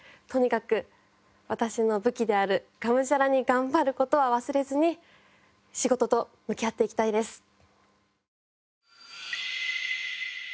とにかく私の武器であるがむしゃらに頑張る事は忘れずに仕事と向き合っていきたいです。